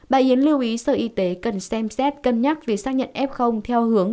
bà yến lưu ý sở y tế cần xem xét cân nhắc việc xác nhận f theo hướng